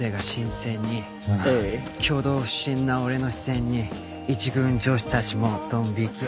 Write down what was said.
「挙動不審な俺の視線に１軍女子たちもドン引き」